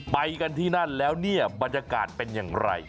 ไปกันที่นั่นแล้วเนี่ยบรรยากาศเป็นอย่างไร